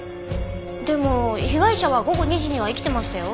でも被害者は午後２時には生きてましたよ。